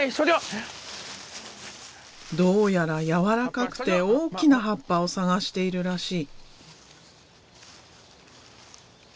どうやら柔らかくて大きな葉っぱを探しているらしい。